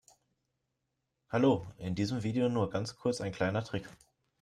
Hallo, in diesem Video nur ganz kurz ein kleiner Trick.